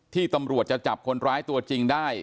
ที่ตำรวจจะจับคนร้ายตัวจริงได้